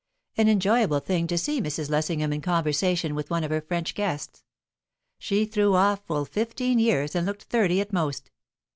An enjoyable thing to see Mrs. Lessingham in conversation with one of her French guests. She threw off full fifteen years, and looked thirty at most.